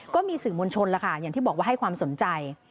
ก็มีสื่อมวลชนแล้วค่ะอย่างที่บอกว่าให้ความสนใจ